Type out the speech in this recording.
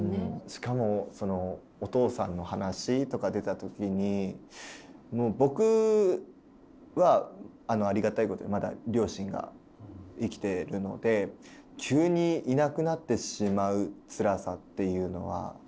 しかもそのお父さんの話とか出た時に僕はありがたいことにまだ両親が生きてるので急にいなくなってしまうつらさっていうのはでも分かるんですよ。